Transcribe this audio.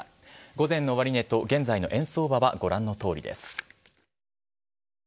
午前の終値と現在の円相場はご覧のとおりです。